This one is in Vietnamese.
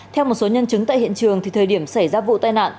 theo một số nhân chứng tại hiện trường thời điểm xảy ra vụ tai nạn